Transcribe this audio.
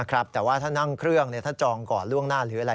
แต่ว่าถ้านั่งเครื่องถ้าจองก่อนล่วงหน้าหรืออะไร